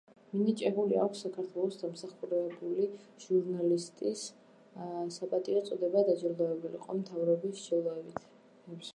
მინიჭებული აქვს საქართველოს დამსახურებული ჟურნალისტის საპატიო წოდება, დაჯილდოებული იყო მთავრობის ჯილდოებით.